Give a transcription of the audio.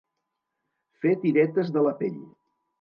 Fer tiretes de la pell.